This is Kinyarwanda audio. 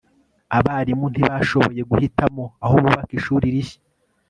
abarimu ntibashoboye guhitamo aho bubaka ishuri rishya